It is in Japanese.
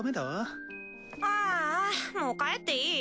アもう帰っていい？